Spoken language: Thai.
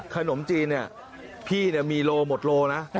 ขนมจีนเนี่ยพี่มีโลหมดโลนะ